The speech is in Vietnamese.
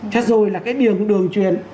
chắc rồi là cái điều đường truyền